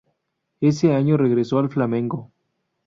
Ese año regresó al Flamengo.